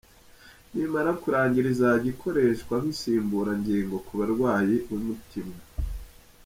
Nimara kurangira izajya ikoreshwa nk’insimburangingo ku barwayi b’umutima.